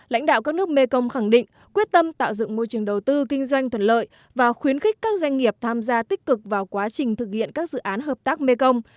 lãnh đạo các nước mekong khẳng định quyết tâm tạo dựng môi trường đầu tư kinh doanh thuận lợi và khuyến khích các doanh nghiệp tham gia tích cực vào quá trình thực hiện các dự án hợp tác mekong